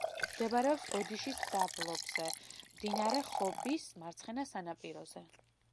მდებარეობს ოდიშის დაბლობზე, მდინარე ხობის მარცხენა სანაპიროზე.